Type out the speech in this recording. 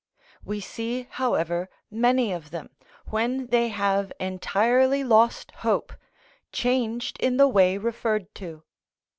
We see, however, many of them, when they have entirely lost hope, changed in the way referred to.